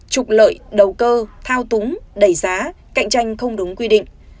trục lợi đầu cơ thao túng đẩy giá cạnh tranh không đúng quy định